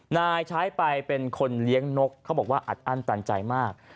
นายใช้ไปเป็นคนเลี้ยงนกเขาบอกว่าอัดอั้นตันใจมาก